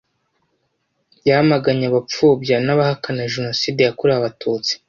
yamaganye abapfobya n’abahakana jenoside yakorewe Abatutsi